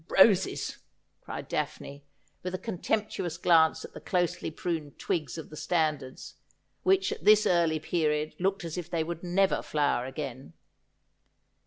' Your roses !' cried Daphne, with a contemptuous glance at the closely pruned twigs of the standards, which at this early period looked as if they would never flower again.